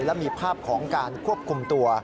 และมีภาพของการควบคุมตัว